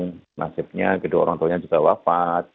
kemudian nasibnya kedua orang tuanya juga wafat